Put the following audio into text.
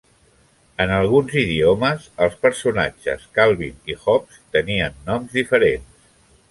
En alguns idiomes, el personatges Calvin i Hobbes tenien noms diferents.